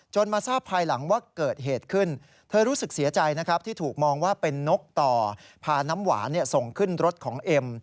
มาทราบภายหลังว่าเกิดเหตุขึ้นเธอรู้สึกเสียใจนะครับที่ถูกมองว่าเป็นนกต่อพาน้ำหวานส่งขึ้นรถของเอ็ม